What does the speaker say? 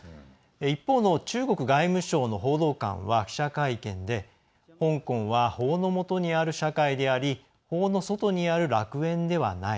一方の中国外務省の報道官は記者会見で「香港は法の下にある社会であり法の外にある楽園ではない。